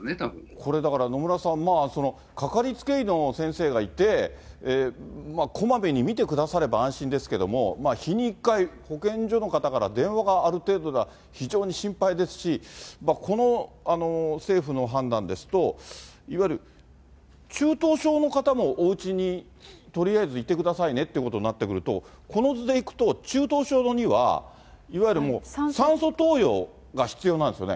これ、だから野村さん、掛かりつけ医の先生がいて、こまめに診てくだされば安心ですけども、日に１回、保健所の方から電話がある程度では非常に心配ですし、この政府の判断ですと、いわゆる中等症の方も、おうちにとりあえずいてくださいねっていうことになってくると、この図でいくと、中等症には、いわゆるもう、酸素投与が必要なんですよね。